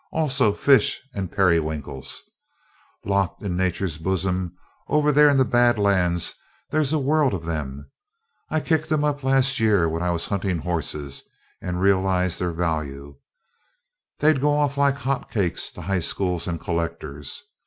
"Also fish and periwinkles. Locked in Nature's boozem over there in the Bad Lands there's a world of them. I kicked 'em up last year when I was huntin' horses, and realized their value. They'd go off like hot cakes to high schools and collectors.